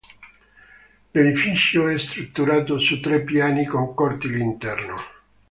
L'edificio è strutturato su tre piani con cortile interno.